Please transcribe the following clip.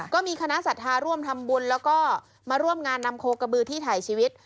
ก็มีคณะศรัทธาร่วมทำบุญแล้วก็มาร่วมงานนำโคกระบือที่ถ่ายชีวิต